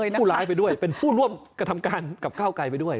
เป็นผู้ร้ายไปด้วยเป็นผู้ร่วมกระทำการกับก้าวไกลไปด้วย